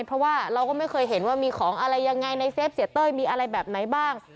เพราะว่าเราก็ไม่เคยเห็นว่ามีของอะไรยังไงในเฟฟเสียเต้ยมีอะไรแบบไหนบ้าง